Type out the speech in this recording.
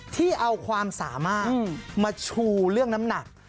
ที่เอาความสามารถมาชูเรื่องน้ำหนัก